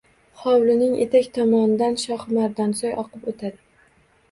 Hovlining etak tomonidan Shohimardonsoy oqib o’tadi.